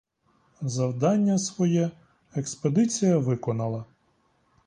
Завдання своє експедиція виконала.